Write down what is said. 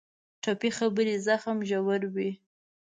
ټپي خبرې زخم ژوروي.